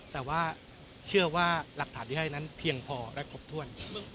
แต่ว่าเชื่อว่าหลักฐานที่ให้นั้นเพียงพอและครบถ้วน